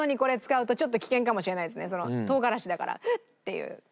唐辛子だからっていう。